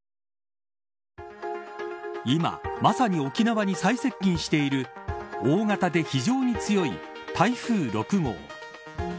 今、まさに沖縄に最接近している大型で非常に強い台風６号。